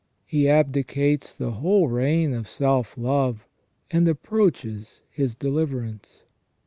He abdicates the whole reign of self love, and approaches his deliverance.